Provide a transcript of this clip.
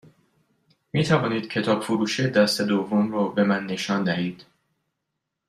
می توانید کتاب فروشی دست دوم رو به من نشان دهید؟